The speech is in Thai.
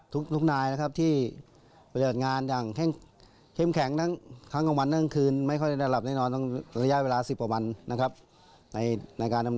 ทุกนายนะครับที่บริเวณงานอย่างเข้มแข็งทั้งครั้งกลางวันทั้งคืนไม่ค่อยได้ระดับแน่นอนตั้งระยะเวลา๑๐ประมาณนะครับ